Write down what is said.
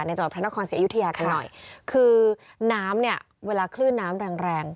จังหวัดพระนครศรีอยุธยากันหน่อยคือน้ำเนี่ยเวลาคลื่นน้ำแรงแรง